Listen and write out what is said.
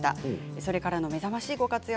それからの目覚ましい活躍